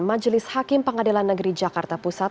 majelis hakim pengadilan negeri jakarta pusat